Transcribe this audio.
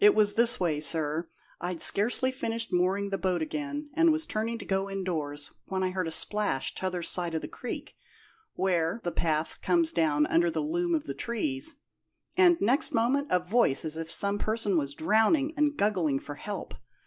'It was this way, sir: I'd scarcely finished mooring the boat again, and was turning to go indoors, when I heard a splash, t'other side of the creek, where; the path comes down under the loom of the trees, and, next moment, a voice as if some person was drowning and guggling for help.